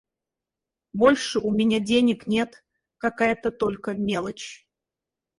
Больше у меня денег нет, какая-то только мелочь.